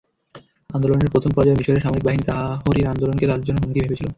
আন্দোলনের প্রথম পর্যায়ে মিসরের সামরিক বাহিনী তাহরির আন্দোলনকে তাদের জন্য হুমকি ভেবেছিল।